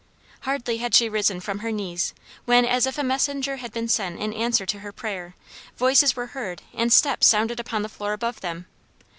Hardly had she risen from her knees, when, as if a messenger had been sent in answer to her prayer, voices were heard and steps sounded upon the floor above them.